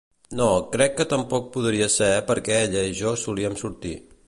No, crec que tampoc podria ser perquè ella i jo solíem sortir.